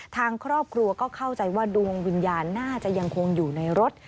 ทางครอบครัวก็เข้าใจว่าดวงวิญญาณน่าจะยังคงอยู่ในรถ